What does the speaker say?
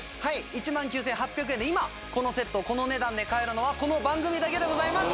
１万９８００円で今このセットをこの値段で買えるのはこの番組だけでございます！